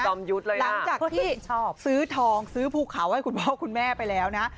จอมยุทธ์เลยน่ะหลังจากที่ชอบซื้อทองซื้อภูเขาให้คุณพ่อคุณแม่ไปแล้วน่ะ